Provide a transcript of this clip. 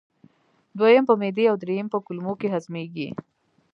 دویم په معدې او دریم په کولمو کې هضمېږي.